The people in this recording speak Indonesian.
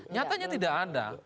nyatanya tidak ada